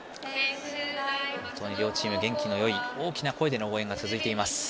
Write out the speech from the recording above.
本当に両チーム、元気のよい大きな声での応援が続いています。